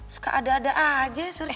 suka ada ada aja surti ya